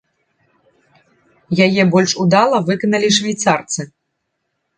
Яе больш удала выканалі швейцарцы.